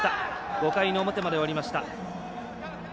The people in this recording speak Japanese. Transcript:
５回の表まで終わりました。